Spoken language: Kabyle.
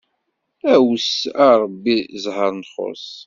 Awes a Ṛebbi, zzheṛ nxuṣ!